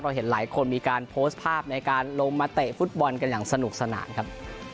เห็นหลายคนมีการโพสต์ภาพในการลงมาเตะฟุตบอลกันอย่างสนุกสนานครับ